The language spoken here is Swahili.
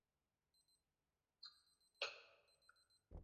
sana kwa sababu kilimo chao ni cha mazao ya kudumu kama kahawa na ndizi